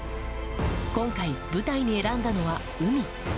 今回、舞台に選んだのは海。